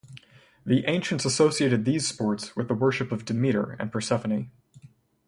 The ancients associated these sports with the worship of Demeter and Persephone.